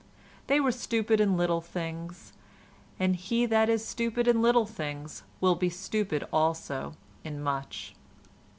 They were stupid in little things; and he that is stupid in little will be stupid also in much.